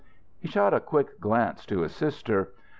He shot a quick glance to his sister.